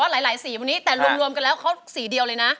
หลายสีวันนี้แต่รวมกันแล้วเขาสีเดียวเลยนะ